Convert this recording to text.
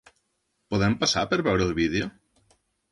Podem passar per veure el vídeo?